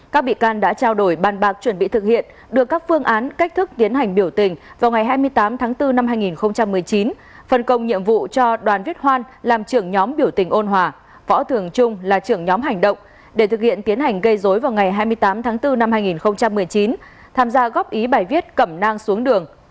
các bị can đã trao đổi bàn bạc chuẩn bị thực hiện được các phương án cách thức tiến hành biểu tình vào ngày hai mươi tám tháng bốn năm hai nghìn một mươi chín phân công nhiệm vụ cho đoàn viết hoan làm trưởng nhóm biểu tình ôn hòa võ thường trung là trưởng nhóm hành động để thực hiện tiến hành gây dối vào ngày hai mươi tám tháng bốn năm hai nghìn một mươi chín tham gia góp ý bài viết cẩm nang xuống đường